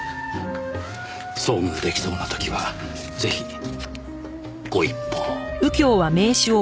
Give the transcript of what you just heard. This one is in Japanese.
遭遇出来そうな時はぜひご一報を。